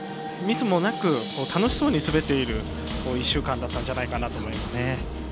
ミスもなく楽しそうに滑っている１週間だったんじゃないかなと思います。